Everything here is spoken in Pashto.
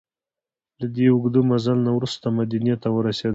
له دې اوږده مزل نه وروسته مدینې ته ورسېدل.